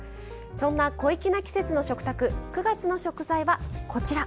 そんな小粋な季節の食卓９月の食材はこちら。